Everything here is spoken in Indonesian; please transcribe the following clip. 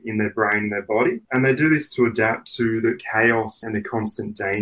dan mereka melakukan ini untuk menyesuaikan kecemasan dan kejahatan